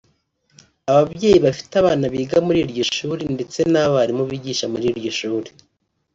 ababyeyi bafite abana biga muri iryo shuri ndetse n’abarimu bigisha muri iryo shuri